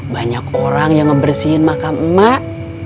banyak orang yang ngebersihin makam emak